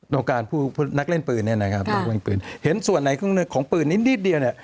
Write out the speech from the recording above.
ต้องการผู้นักเล่นปืนเนี่ยนะครับนักเล่นปืนเห็นส่วนไหนของปืนนิดนิดเดียวเนี่ย